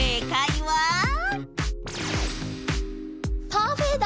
パフェだ！